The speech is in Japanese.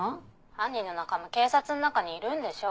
犯人の仲間警察の中にいるんでしょ？